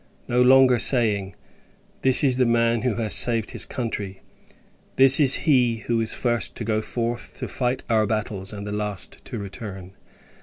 No longer saying "This is the man who has saved his country! This is he who is the first to go forth to fight our battles, and the last to return!"